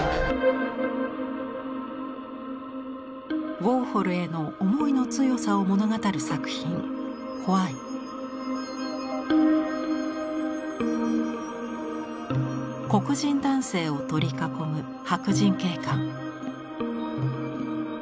ウォーホルへの思いの強さを物語る作品黒人男性を取り囲む白人警官。